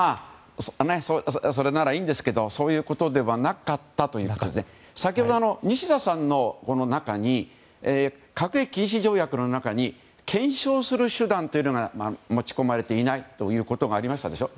それならいいんですけどそういうことではなかったということで先ほど、西田さんのお話の中に核兵器禁止条約の中に検証する手段というのが持ち込まれていないということがありましたでしょ。